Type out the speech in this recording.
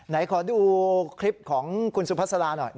ไหนขอดูคลิปของคุณสุภาษาลาหน่อย